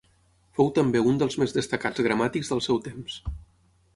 Fou també un dels més destacats gramàtics del seu temps.